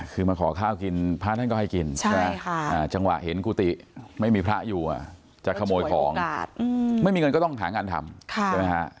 คือมาขอข้าวกินพระท่านก็ให้กินใช่ไหมจังหวะเห็นกุฏิไม่มีพระอยู่จะขโมยของไม่มีเงินก็ต้องหางานทำใช่ไหมฮะ